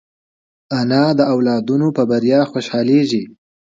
انا د اولادونو په بریا خوشحالېږي